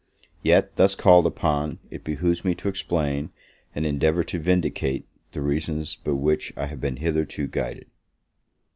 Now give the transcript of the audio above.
Yet, thus called upon, it behoves me to explain, and endeavour to vindicate, the reasons by which I have been hitherto guided.